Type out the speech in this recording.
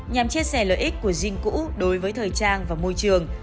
nhằm chia sẻ lợi ích của jean cũ đối với thời trang và môi trường